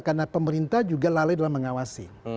karena pemerintah juga lalai dalam mengawasi